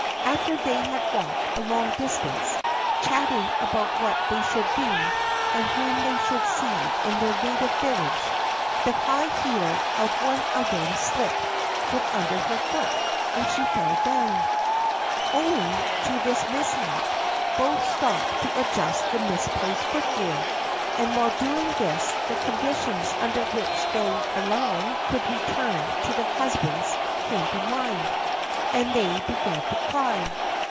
After they had walked a long distance, chatting about what they should do and whom they should see in their native village, the high heel of one of them slipped from under her foot, and she fell down. Owing to this mishap both stopped to adjust the misplaced footgear, and while doing this the conditions under which alone they could return to their husbands came to mind, and they began to cry.